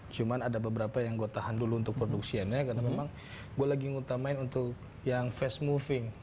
cuma ada beberapa yang gue tahan dulu untuk produksiannya karena memang gue lagi ngutamain untuk yang fast moving